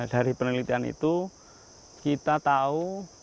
dari penelitian itu kita tahu